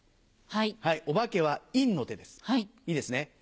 お化けは陰の手ですいいですね？